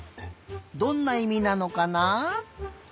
どんないみなのかな？